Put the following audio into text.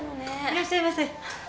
いらっしゃいませ。